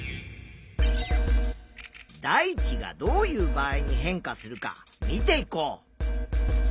大地がどういう場合に変化するか見ていこう。